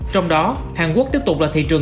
trong đó hàn quốc tiếp tục là thị trường